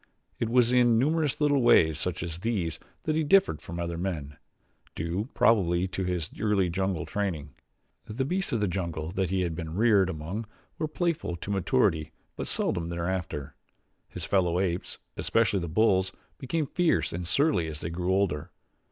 It was in numerous little ways such as these that he differed from other men, due, probably, to his early jungle training. The beasts of the jungle that he had been reared among were playful to maturity but seldom thereafter. His fellow apes, especially the bulls, became fierce and surly as they grew older.